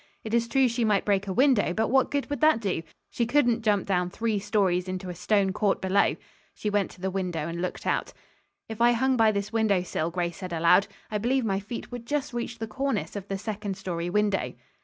It is true she might break a window, but what good would that do? She couldn't jump down three stories into a stone court below. She went to the window and looked out. "If I hung by this window sill," Grace said aloud, "I believe my feet would just reach the cornice of the second story window."